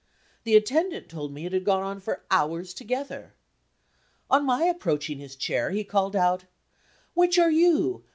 The attendant told me it had gone on for hours together. On my approaching his chair, he called out: "Which are you?